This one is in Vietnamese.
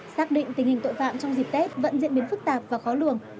xác định tình hình tội phạm trong dịp tết vẫn diễn biến phức tạp và khó lường